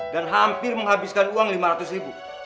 dan hampir menghabiskan uang lima ratus ribu